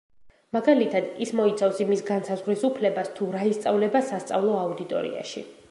მაგალითად, ის მოიცავს იმის განსაზღვრის უფლებას, თუ რა ისწავლება სასწავლო აუდიტორიაში.